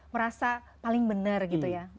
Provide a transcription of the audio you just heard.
merasa paling benar gitu ya